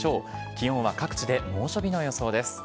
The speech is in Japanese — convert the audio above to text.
気温は各地で猛暑日の予想です。